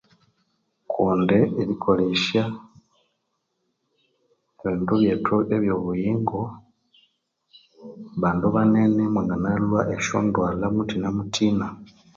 Kundi erikolesya ebindu byethu ebyo buyingo bandu banene mwanganalhwa esyondwalhwa muthina muthina